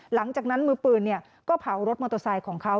หลังจากนั้นมือปืนก็เผารถมอเตอร์ไซค์ของเขา